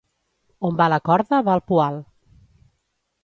On va la corda va el poal.